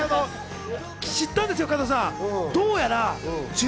知ったんですよ、加藤さん。